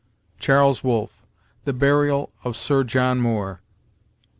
Charles Wolfe, "The Burial of Sir John Moore," vi.